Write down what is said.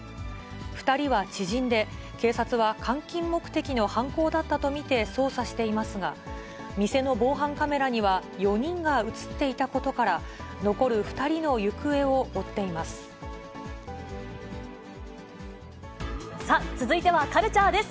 ２人は知人で、警察は換金目的の犯行だったと見て捜査していますが、店の防犯カメラには４人が写っていたことから、さあ、続いてはカルチャーです。